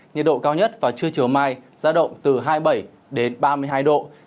nhiệt độ cao nhất và chưa chiều mai ra động từ hai mươi bảy đến ba mươi hai độ